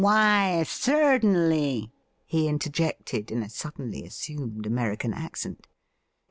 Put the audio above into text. ' Why, certainly,' he interjected, in a suddenly assumed American accent.